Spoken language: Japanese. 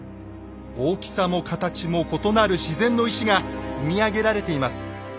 大きさも形も異なる自然の石が積み上げられています。